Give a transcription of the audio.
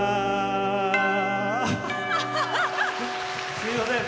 すいません。